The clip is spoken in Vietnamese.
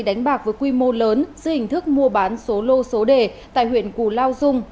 đánh bạc với quy mô lớn dưới hình thức mua bán số lô số đề tại huyện cù lao dung